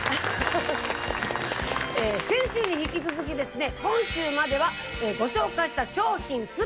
先週に引き続きですね。